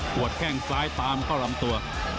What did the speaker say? ตัวแค่งซ้ายตามเข้าร้ำตัว